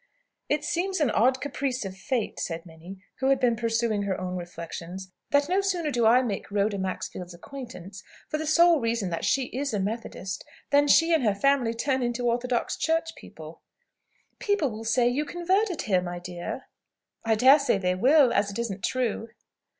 "It seems an odd caprice of Fate," said Minnie, who had been pursuing her own reflections, "that, no sooner do I make Rhoda Maxfield's acquaintance, for the sole reason that she is a Methodist, than she and her family turn into orthodox church people." "People will say you converted her, my dear." "I daresay they will, as it isn't true."